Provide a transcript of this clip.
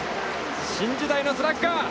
新時代のスラッガー。